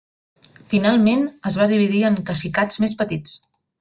Finalment, es va dividir en cacicats més petits.